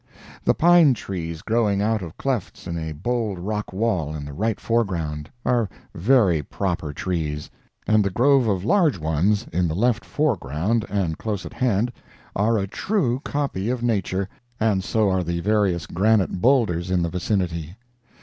The pine trees growing out of clefts in a bold rock wall, in the right foreground, are very proper trees, and the grove of large ones, in the left foreground, and close at hand, are a true copy of Nature, and so are the various granite boulders in the vicinity.